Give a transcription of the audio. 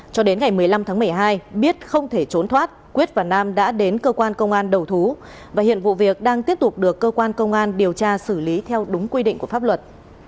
cho đến ngày một mươi năm tháng một mươi hai biết không thể trốn thoát quyết và nam đã đến cơ quan công an đầu thú và hiện vụ việc đang tiếp tục được cơ quan công an điều tra xử lý theo đúng quy định của pháp luật